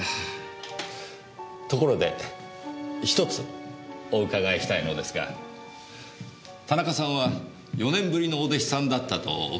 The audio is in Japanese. ところで１つお伺いしたいのですが田中さんは４年ぶりのお弟子さんだったとお聞きしました。